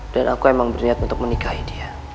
dan aku emang berniat untuk menikahi dia